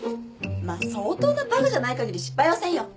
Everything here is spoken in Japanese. まあ相当なバカじゃない限り失敗はせんよ。